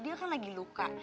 dia kan lagi luka